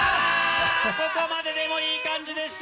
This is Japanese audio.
ここまででもいい感じでした。